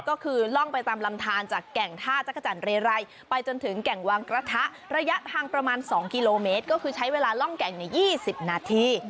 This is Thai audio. ก็คือล่องไปตามลำทานจากแก่งท่าจักรจันทร์เรไรไปจนถึงแก่งวางกระทะระยะทางประมาณ๒กิโลเมตรก็คือใช้เวลาล่องแก่งใน๒๐นาที